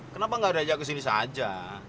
kenapa gak ada yang ajak kesini saja